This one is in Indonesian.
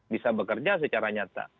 bisa bekerja secara nyata